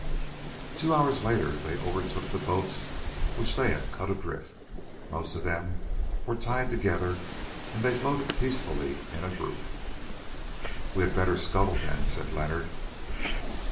Two hours later they overtook the boats which they had cut adrift. Most of them were tied together, and they floated peacefully in a group. "We had better scuttle them," said Leonard.